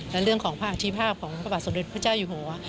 และเรื่องของพระอธิภาพของพระบาทสมเด็จพระเจ้าอยู่หัว